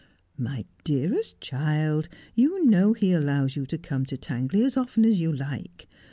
' My dearest child, you know he allows you to come to Tangley as often as you like.